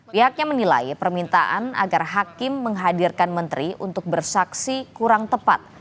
pihaknya menilai permintaan agar hakim menghadirkan menteri untuk bersaksi kurang tepat